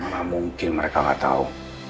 malah mungkin mereka gak tau